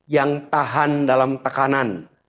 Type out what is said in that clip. yang tahan dalam tekanan